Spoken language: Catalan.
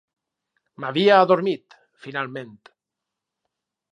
M'havia adormit, finalment.